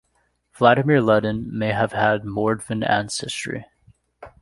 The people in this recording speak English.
Vladimir Lenin may have had Mordvin ancestry.